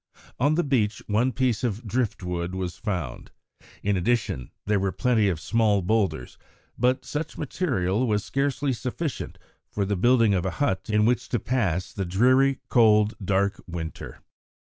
On the beach one piece of drift wood was found. In addition, there were plenty of small boulders, but such material was scarcely sufficient for the building of a hut in which to pass the dreary, cold, dark winter.